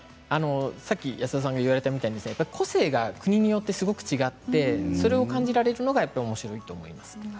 さっき安田さんが言われたみたいに個性が国によってすごく違ってそれを感じられるのがおもしろいと思います。